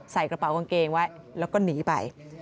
ใส่กระเป๋ากางเกงไว้แล้วก็หนีไป